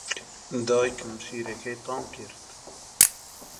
دایکم شیرەکەی تام کرد.